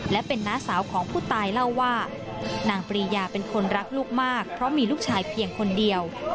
และเป็นน้าสาวของผู้ตายเล่าว่านางปรียาเป็นคนรักลูกมากเพราะมีลูกชายเพียงคนเดียว